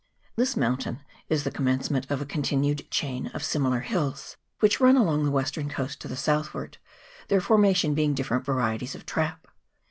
This mountain is the com mencement of a continued chain of similar hills, which run along the western coast to the south ward, their formation being different varieties of trap.